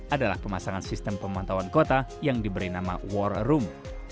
adalah pemasangan sistem pemantauan kota yang diberi nama war room